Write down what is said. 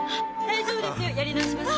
大丈夫です。